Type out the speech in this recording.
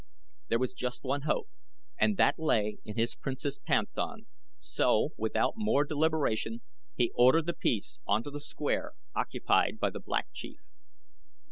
There was just one hope and that lay in his Princess' Panthan, so, without more deliberation he ordered the piece onto the square occupied by the Black Chief.